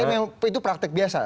tapi memang itu praktek biasa